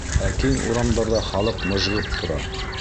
Ә киң урамдарҙа халыҡ мыжғып тора.